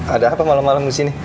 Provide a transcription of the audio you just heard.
ada apa malam malam disini